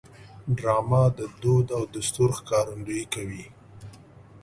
ډرامه د دود او دستور ښکارندویي کوي